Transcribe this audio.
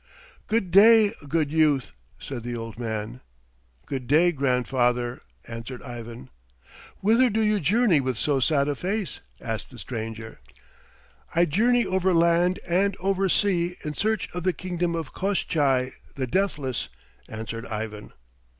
"Good day, good youth," said the old man. "Good day, grandfather," answered Ivan. "Whither do you journey with so sad a face?" asked the stranger. "I journey over land and over sea in search of the kingdom of Koshchei the Deathless," answered Ivan.